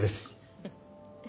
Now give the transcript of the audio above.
フッ。